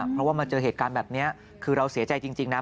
เพราะว่ามาเจอเหตุการณ์แบบนี้คือเราเสียใจจริงนะ